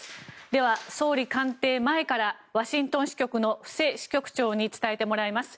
では総理官邸前からワシントン支局の布施支局長に伝えてもらいます。